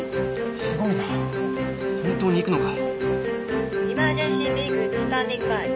すごいな本当にいくのか？